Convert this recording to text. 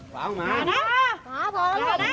พวกมันไปหาแต่จะไม่มี